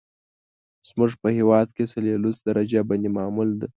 زموږ په هېواد کې سلسیوس درجه بندي معمول ده.